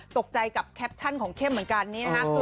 ตกใจกับแคปชั่นของเข้มเหมือนกันนี้นะครับ